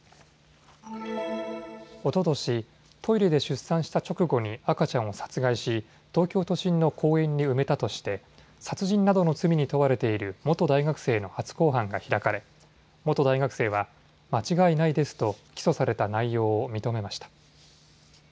おととし、トイレで出産した直後に赤ちゃんを殺害し東京都心の公園に埋めたとして殺人などの罪に問われている元大学生の初公判が開かれ元大学生は間違いないですと起訴された内容を認めました。